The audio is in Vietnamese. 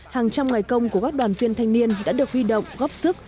hàng trăm ngày công của các đoàn viên thanh niên đã được huy động góp sức